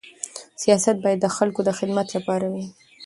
سیاست باید د خلکو د خدمت لپاره وي.